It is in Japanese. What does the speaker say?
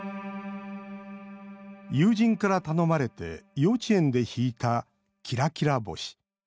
友人から頼まれて幼稚園で弾いた「きらきら星」。